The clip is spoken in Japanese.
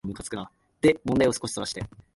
で問題を少しそらして、